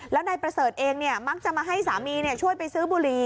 แล้วนายประเสริฐเองมักจะมาให้สามีช่วยไปซื้อบุหรี่